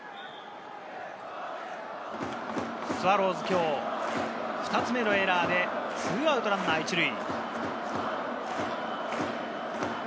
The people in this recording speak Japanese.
スワローズは今日、２つ目のエラーで２アウトランナー１塁。